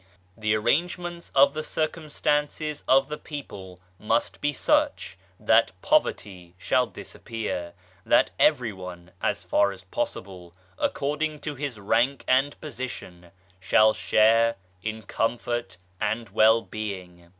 The arrangements of the circumstances of the people must be such that Poverty shall disappear, that every one, as far as possible, according to his rank and position, shall share in comfort and well being.